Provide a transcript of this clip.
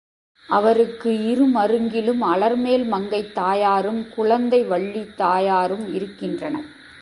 அவருக்கு இரு மருங்கிலும் அலர்மேல் மங்கைத் தாயாரும், குளந்தை வல்லித் தாயாரும் இருக்கின்றனர்.